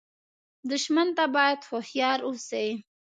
دښمن ته باید هوښیار اوسې